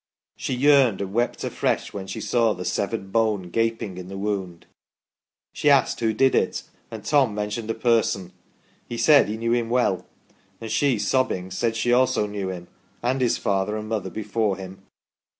She yearned and wept afresh when she saw the severed bone gaping in the wound. She asked who did it, and Tom mentioned a person ; he said he knew him well, and she, sobbing, said she also knew him and his father and mother before him."